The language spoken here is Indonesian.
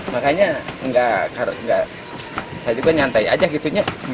makanya saya juga nyantai aja gitu